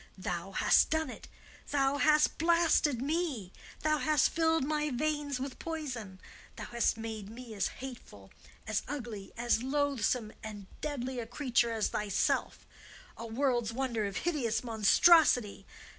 "Thou hast done it! Thou hast blasted me! Thou hast filled my veins with poison! Thou hast made me as hateful, as ugly, as loathsome and deadly a creature as thyself—a world's wonder of hideous monstrosity!